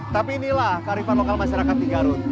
tapi inilah kearifan lokal masyarakat di garut